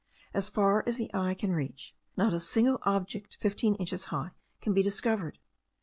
As far as the eye can reach, not a single object fifteen inches high can be discovered.